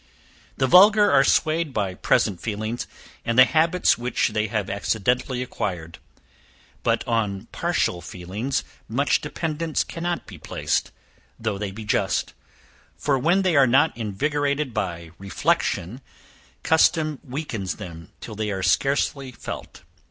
The vulgar are swayed by present feelings, and the habits which they have accidentally acquired; but on partial feelings much dependence cannot be placed, though they be just; for, when they are not invigorated by reflection, custom weakens them, till they are scarcely felt.